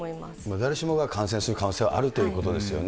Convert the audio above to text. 誰しもが感染する可能性はあるということですよね。